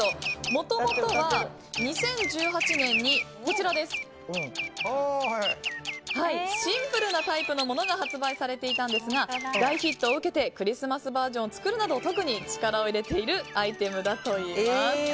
もともとは２０１８年にシンプルなタイプのものが発売されていたんですが大ヒットを受けてクリスマスバージョンを作るなど特に力を入れているアイテムだといいます。